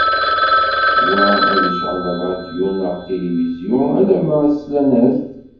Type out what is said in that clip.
Wa ad icɛel rradyu neɣ tilibizyu alamma slan-as-d.